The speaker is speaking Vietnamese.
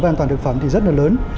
về an toàn thực phẩm thì rất là lớn